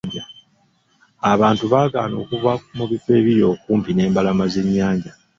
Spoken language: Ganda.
Abantu baagaana okuva mu bifo ebiri okumpi n'embalama z'ennyanja.